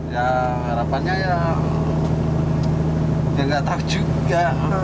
ya harapannya ya nggak tak juga